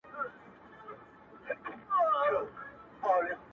فایده هغه ګټنه ده، چې انسان یې